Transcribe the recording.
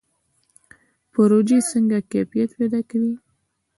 پروژې څنګه کیفیت پیدا کوي؟